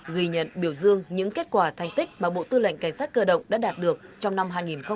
ghi nhận biểu dương những kết quả thành tích mà bộ tư lệnh cảnh sát cơ động đã đạt được trong năm hai nghìn hai mươi ba